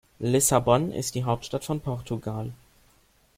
Lissabon ist die Hauptstadt von Portugal.